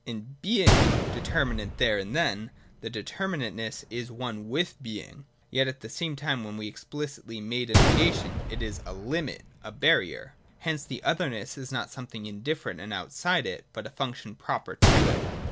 In Being determinate (there and then), the determinateness is one with Being ; yet at the same time, when explicitly made a negation, it is a Limit, a Barrier. Hence the otherness is not something indifferent and outside it, but a function proper to it.